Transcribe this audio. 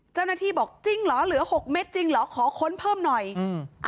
เจ้าหน้าที่บอกจริงเหรอเหลือหกเม็ดจริงเหรอขอค้นเพิ่มหน่อยอืม